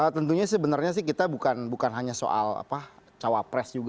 tentunya sebenarnya sih kita bukan hanya soal cawapres juga